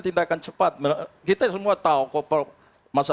tindakan cepat kita semua tahu kok pengadilan itu bisa berubah